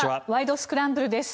スクランブル」です。